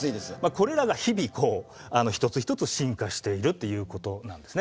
これらが日々こう一つ一つ進化しているということなんですね。